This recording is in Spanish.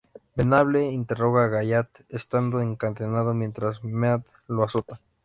Venable interroga a Gallant estando encadenado mientras Mead lo azota.